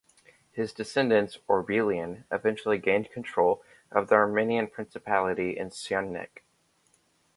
His descendants - Orbelian - eventually gained control of the Armenian principality of Syunik.